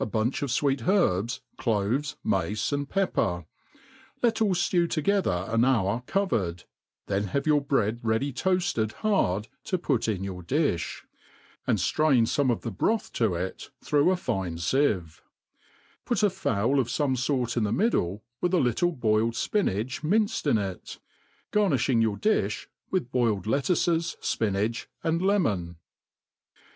bunch of fweet herbs, cloves, mace, ; and pepper ; let all ftew together an hour covered, then have your bread ready toafled hard to put in your di(b, and ftrain fome of the bfioth to it, through a fine fieve j put a fowl of fbme fort in the middle, with a little boiled fpinach minced in it : gari)i(hiag your diih with boiled lettuces, fpinach^ and Ie<^ mon.